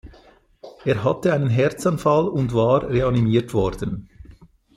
Er hatte einen Herzanfall und war reanimiert worden.